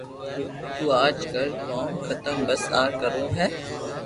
تو آج ڪر ڪوم ختم بس آ ڪروو ھي